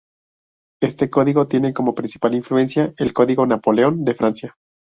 Este código tiene como principal influencia el Código Napoleón de Francia.